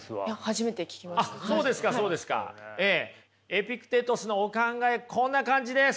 エピクテトスのお考えこんな感じです。